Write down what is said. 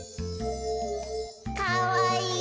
かわいい。